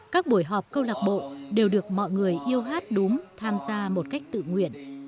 các buổi họp công lạc bộ đều được mọi người yêu hát đúm tham gia một cách tự nguyện